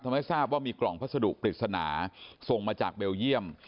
ทำให้ทราบว่ามีกล่องพัสดุปริศนาส่งมาจากเบลเยี่ยม